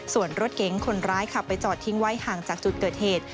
ส่วนรถเก๋งคนร้ายขับไปจอดทิ้งไว้ห่างจากจุดเกิดเหตุ